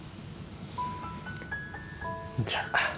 じゃあ。